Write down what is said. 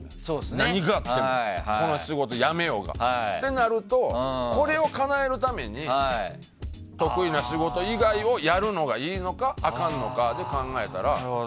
何があってもこの仕事をやめようがってなるとこれをかなえるために得意な仕事以外をやるのがいいのかあかんのかで考えたら。